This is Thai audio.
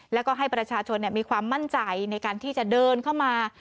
แล้วก็ให้ประชาชนมีความมั่นใจในการที่จะเดินเข้ามา